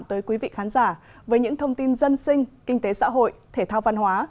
tới quý vị khán giả với những thông tin dân sinh kinh tế xã hội thể thao văn hóa